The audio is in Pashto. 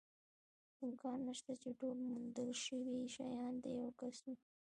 امکان نشته، چې ټول موندل شوي شیان د یوه کس وي.